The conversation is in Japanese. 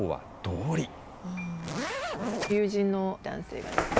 友人の男性がですね